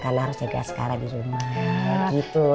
karena harus jaga skala di rumah